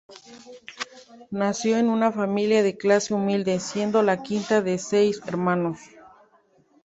Nació en una familia de clase humilde, siendo la quinta de seis hermanos.